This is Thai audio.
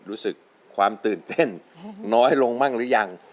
รู้สึกความตื่นเต้นน้อยลงมั่งหรือยัง